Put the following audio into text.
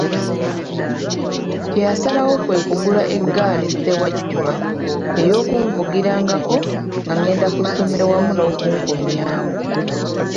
Kye yasalawo kwe kugula eggaali ssewajjuba ey'okunvugirangako nga ngenda ku ssomero wamu n'okunkomyawo.